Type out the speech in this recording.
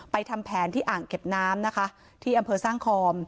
ทำแผนที่อ่างเก็บน้ำนะคะที่อำเภอสร้างคอม